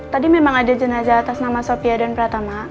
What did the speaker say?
tadi memang ada jenazah atas nama sofia dan pratama